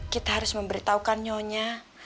kita harus memberitahukan nyonya